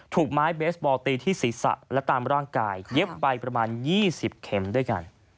ถูกไม้เบสบอลตีที่ศีรษะและตามร่างกายเย็บไปประมาณ๒๐เข็มด้วยกัน